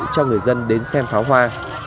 cho người dân đến xem pháo hoa